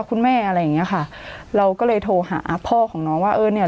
คุณแม่อะไรอย่างเงี้ยค่ะเราก็เลยโทรหาพ่อของน้องว่าเออเนี้ย